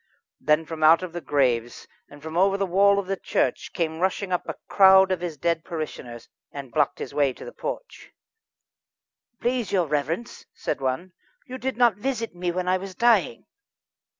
Then from out of the graves, and from over the wall of the churchyard, came rushing up a crowd of his dead parishioners, and blocked his way to the porch. "Please, your reverence!" said one, "you did not visit me when I was dying."